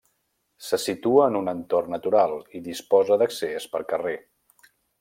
Se situa en un entorn natural, i disposa d'accés per carrer.